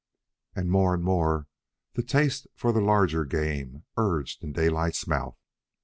And more and more the taste for the larger game urged in Daylight's mouth.